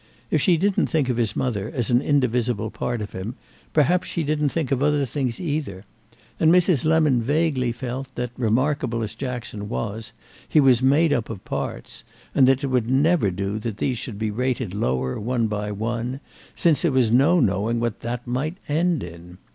If she didn't think of his mother as an indivisible part of him perhaps she didn't think of other things either; and Mrs. Lemon vaguely felt that, remarkable as Jackson was, he was made up of parts, and that it would never do that these should be rated lower one by one, since there was no knowing what that might end in.